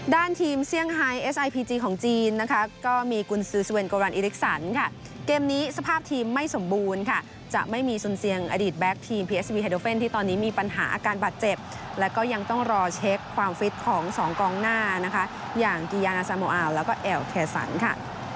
ด้านทีมเซี่ยงไฮเอสไอพีจีของจีนนะคะก็มีกุญซือสุเวนโกรันอิริกสันค่ะเกมนี้สภาพทีมไม่สมบูรณ์ค่ะจะไม่มีซุนเซียงอดีตแก๊กทีมพีเอสวีไฮโดเฟ่นที่ตอนนี้มีปัญหาอาการบาดเจ็บและก็ยังต้องรอเช็คความฟิตของสองกองหน้านะคะอย่างกิยานาซาโมอาวแล้วก็แอลแคสันค่ะ